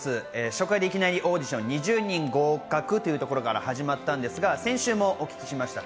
初回でいきなりオーディション２０人合格というところから始まったんですが、先週もお聞きしました。